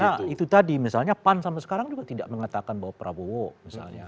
nah itu tadi misalnya pan sampai sekarang juga tidak mengatakan bahwa prabowo misalnya